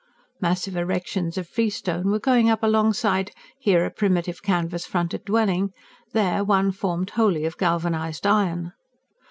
Massive erections of freestone were going up alongside here a primitive, canvas fronted dwelling, there one formed wholly of galvanised iron.